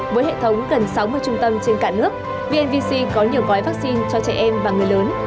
với hệ thống gần sáu mươi trung tâm trên cả nước vnvc có nhiều gói vaccine cho trẻ em và người lớn